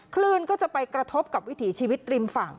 คลื่นก็จะไปกระทบกับวิถีชีวิตริมฝั่ง